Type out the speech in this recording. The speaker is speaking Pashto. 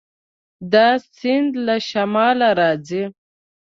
دا سیند له شماله راځي.